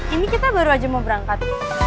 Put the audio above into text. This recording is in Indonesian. ini kita baru aja mau berangkat